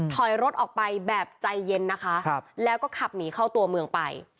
ถอยรถออกไปแบบใจเย็นนะคะแล้วก็ขับหนีเข้าตัวเมืองไป